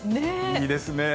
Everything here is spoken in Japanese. いいですね。